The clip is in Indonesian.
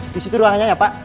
disitu ruangannya ya pak